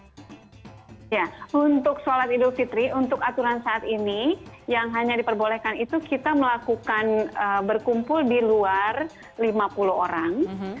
ya untuk sholat idul fitri untuk aturan saat ini yang hanya diperbolehkan itu kita melakukan berkumpul di luar lima puluh orang